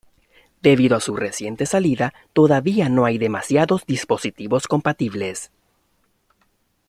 Debido a su reciente salida todavía no hay demasiados dispositivos compatibles.